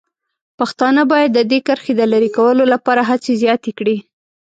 پښتانه باید د دې کرښې د لرې کولو لپاره هڅې زیاتې کړي.